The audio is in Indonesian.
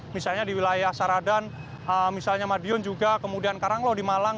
misalnya di wilayah saradan misalnya madiun juga kemudian karanglo di malang